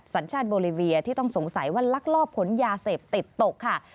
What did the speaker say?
สัญชาติโบลิเวียที่ต้องสงสัยว่าลักลอบขนยาเสพติดตกค่ะ